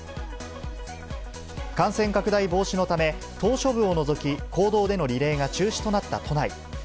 感染拡大防止のため、島しょ部を除き、公道でのリレーが中止となった都内。